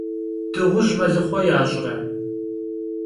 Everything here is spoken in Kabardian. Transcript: Dığuj melıxhue yaş're?